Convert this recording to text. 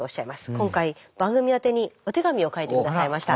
今回番組宛てにお手紙を書いて下さいました。